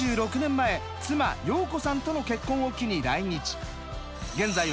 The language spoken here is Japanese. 前妻陽子さんとの結婚を機に来日。